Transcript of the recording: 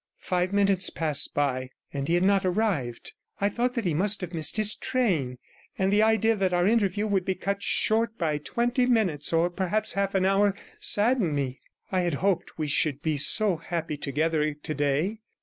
Five minutes passed by, and he had not arrived, I thought he must have missed his train, and the idea that our interview would be cut short by twenty minutes, or perhaps half an hour, saddened me; I had hoped we should be so happy together today.